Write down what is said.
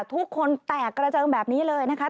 ทุกคนแตกกระเจิงแบบนี้เลยนะคะ